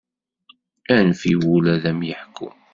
Anef i wul ad am-yeḥku.